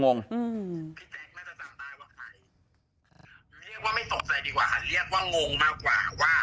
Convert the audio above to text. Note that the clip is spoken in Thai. อืมพี่แจ๊คน่าจะจำได้ว่าใครเรียกว่าไม่ตกใจดีกว่าเรียกว่างงมากกว่าว่า